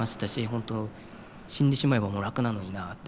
本当死んでしまえばもう楽なのになあって思って。